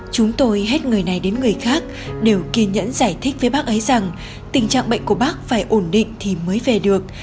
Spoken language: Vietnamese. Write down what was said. chúng tôi hết người này đến người khác đều kiên nhẫn giải thích với bác ấy rằng tình trạng bệnh của bác phải ổn định thì mới về được